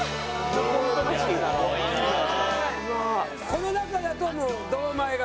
この中だともう堂前が？